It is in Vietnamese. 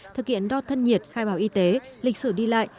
thực hiện đo thân nhiệt khai báo y tế lịch sử đi lại